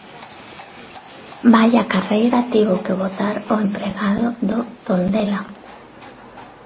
Vaia carreira tivo que botar o empregado do Tondela.